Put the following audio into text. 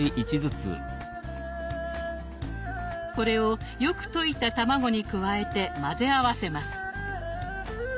これをよく溶いた卵に加えて混ぜ合わせます。